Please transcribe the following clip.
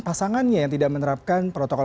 pasangannya yang tidak menerapkan protokol